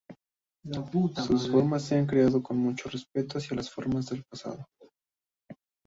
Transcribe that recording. Sus formas se han creado con mucho respeto hacia las formas del pasado.